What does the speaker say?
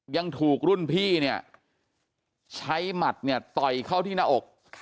ยังถูกรุ่นพี่เนี่ยใช้หมัดเนี่ยต่อยเข้าที่หน้าอก